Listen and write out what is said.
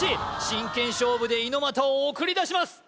真剣勝負で猪俣を送り出します